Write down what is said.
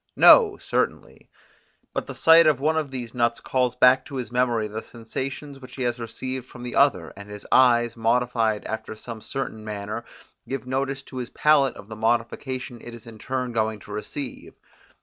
No, certainly; but the sight of one of these nuts calls back to his memory the sensations which he has received from the other; and his eyes, modified after some certain manner, give notice to his palate of the modification it is in its turn going to receive.